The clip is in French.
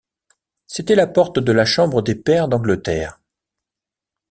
C’était la porte de la chambre des pairs d’Angleterre.